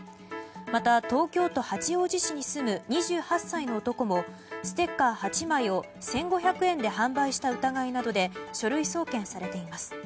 また、東京都八王子市に住む２８歳の男もステッカー８枚を１５００円で販売した疑いなどで書類送検されています。